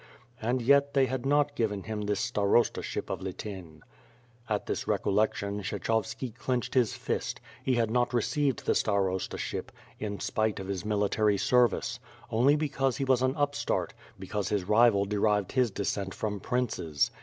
And yet they had not given him this starostaship of Lityn. At this recollection, Kshechovski clenched his fist. He had not received the starostaship, in spite of his military ser WITH FIRE AND SWORD, 163 vices; only because he was an upstart, because his rival de rived his descent from princes.